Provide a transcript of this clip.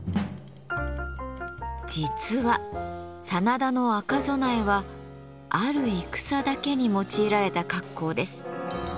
実は真田の赤備えはある戦だけに用いられた格好です。